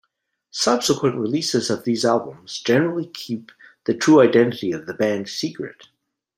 Subsequent releases of these albums generally keep the true identity of the band secret.